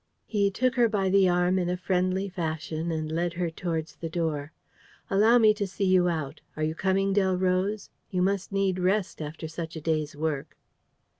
He took her by the arm in a friendly fashion and led her towards the door: "Allow me to see you out. Are you coming, Delroze? You must need rest after such a day's work."